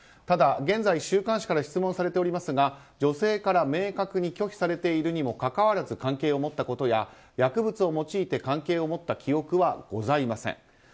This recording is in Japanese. ただ現在、週刊誌から質問されておりますが女性から明確に拒否されているにもかかわらず関係を持ったことや薬物を用いて関係を持った記憶はございません。